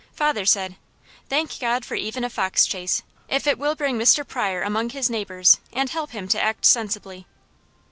Father said: "Thank God for even a foxchase, if it will bring Mr. Pryor among his neighbours and help him to act sensibly."